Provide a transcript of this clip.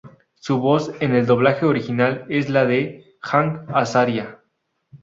Su voz en el doblaje original es la de Hank Azaria.